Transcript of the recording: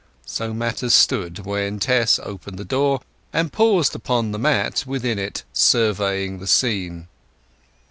So matters stood when Tess opened the door and paused upon the mat within it, surveying the scene.